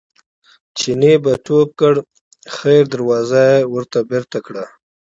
چیني به ټوپ کړ خیر دروازه یې ورته بېرته کړه.